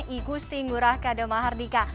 igu stinggurah kade mahardika